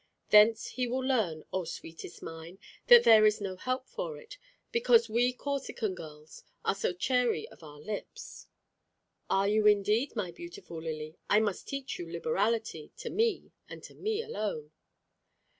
Thence he will learn, oh sweetest mine, that there is no help for it; because we Corsican girls are so chary of our lips." "Are you indeed, my beautiful Lily? I must teach you liberality, to me, and to me alone."